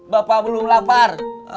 bapak belum lapar